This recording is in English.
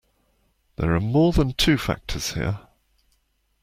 There are more than two factors here.